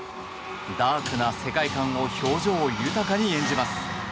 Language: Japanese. ダークな世界観を表情豊かに演じます。